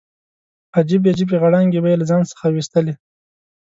عجیبې عجیبې غړانګې به یې له ځان څخه ویستلې.